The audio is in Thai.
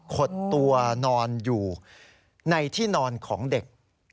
ขดตัวนอนอยู่ในที่นอนของเด็ก